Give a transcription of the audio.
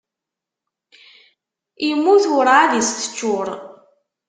Immut urɛad i s-teččuṛ.